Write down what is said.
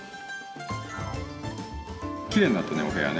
きれいになったねお部屋ね。